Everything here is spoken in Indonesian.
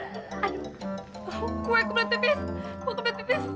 aduh kebetulannya tebis